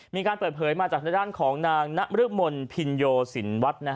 มีการเปิดเผยมาจากในด้านของนางณภินโยศิลวัฒน์